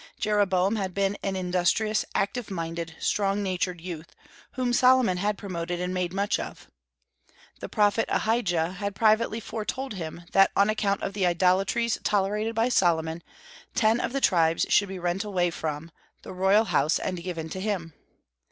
Jeroboam had been an industrious, active minded, strong natured youth, whom Solomon had promoted and made much of. The prophet Ahijah had privately foretold to him that, on account of the idolatries tolerated by Solomon, ten of the tribes should be rent away from, the royal house and given to him.